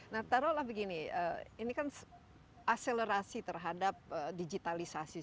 nah taruhlah begini ini kan aselerasi terhadap digitalisasi